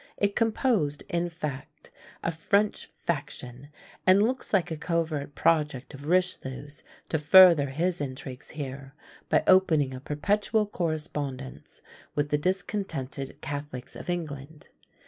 It composed, in fact, a French faction, and looks like a covert project of Richelieu's to further his intrigues here, by opening a perpetual correspondence with the discontented Catholics of England.